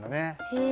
へえ。